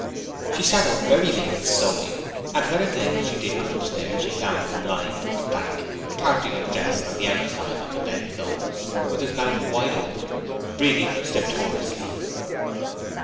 She sat up very late, sewing, and when at length she did go upstairs she found him lying on his back, partly undressed on the outside of the bedclothes, with his mouth wide open, breathing stertorously.